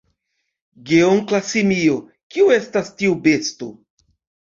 Geonkla simio: "Kio estas tiu besto?"